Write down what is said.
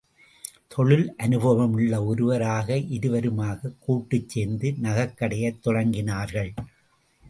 தொழில் அனுபவமுள்ள ஒருவர், ஆக இருவருமாகக் கூட்டுச் சேர்ந்து நகைக்கடையைத் தொடங்கினார்கள்.